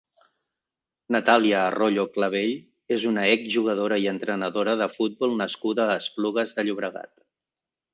Natàlia Arroyo Clavell és una ex-jugadora i entrenadora de futbol nascuda a Esplugues de Llobregat.